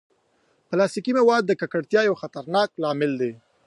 پلاستيکي مواد د ککړتیا یو خطرناک لامل دي.